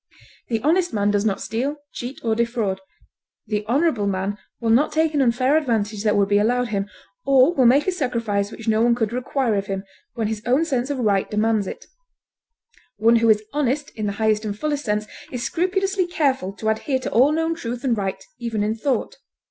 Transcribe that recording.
The honest man does not steal, cheat, or defraud; the honorable man will not take an unfair advantage that would be allowed him, or will make a sacrifice which no one could require of him, when his own sense of right demands it. One who is honest in the highest and fullest sense is scrupulously careful to adhere to all known truth and right even in thought.